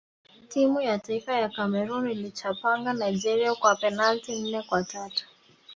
timu ya taifa ya cameroon iliichabanga nigeria kwa penati nne kwa tatu